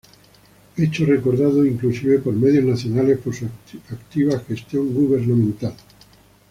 Hecho recordado inclusive por medios Nacionales por su activa gestión gubernamental.